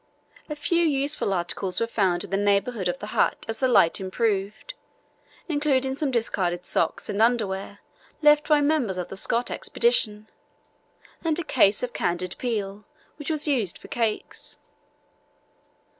A few useful articles were found in the neighbourhood of the hut as the light improved, including some discarded socks and underwear, left by members of the Scott Expedition, and a case of candied peel, which was used for cakes.